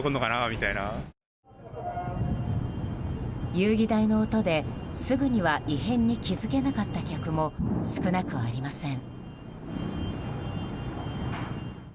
遊技台の音で、すぐには異変に気づけなかった客も少なくありません。